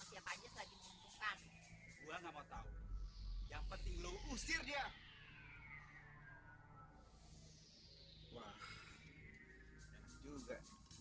siapa aja lagi membutuhkan gua nggak mau tahu yang penting lu usir ya hai wah juga